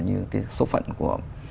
như cái số phận của